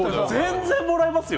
全然もらいますよ。